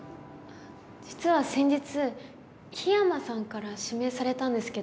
実は先日桧山さんから指名されたんですけど。